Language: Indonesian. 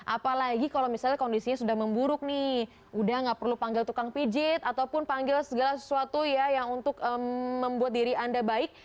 apalagi kalau misalnya kondisinya sudah memburuk nih udah gak perlu panggil tukang pijit ataupun panggil segala sesuatu ya yang untuk membuat diri anda baik